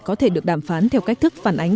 có thể được đàm phán theo cách thức phản ánh